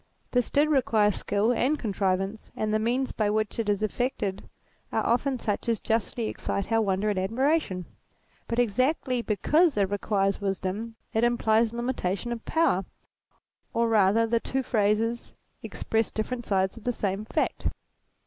This did require skill and contrivance, and the means by which it is effected are often such as justly excite our wonder and admiration : but exactly because it requires wisdom, it implies limitation of power, or rather the two phrases express different sides of the same fact.